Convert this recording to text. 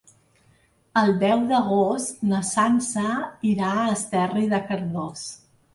El deu d'agost na Sança irà a Esterri de Cardós.